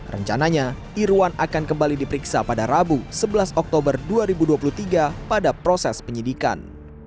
rencananya irwan akan kembali diperiksa pada rabu sebelas oktober dua ribu dua puluh tiga pada proses penyidikan